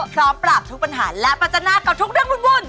พร้อมปราบทุกปัญหาและปัจจนากับทุกเรื่องวุ่น